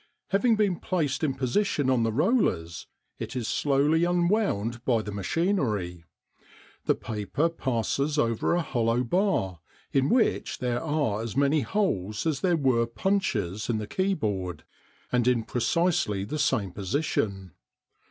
Having been placed in position on the rollers it is slowly unwound by the machinery. The paper passes over a hollow bar in which there are as many holes as there were punches in the keyboard, and in precisely the same position.